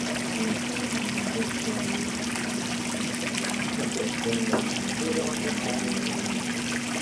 amesema wanajeshi waliwaua wapiganaji kumi na moja jana Jumanne